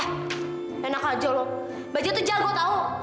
eh enak aja lo baca tuh jago tahu